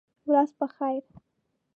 ورځ په خیر !